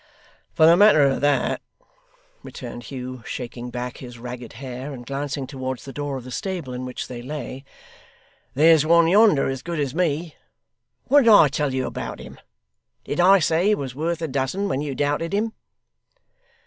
'For the matter of that,' returned Hugh, shaking back his ragged hair and glancing towards the door of the stable in which they lay; 'there's one yonder as good as me. What did I tell you about him? Did I say he was worth a dozen, when you doubted him?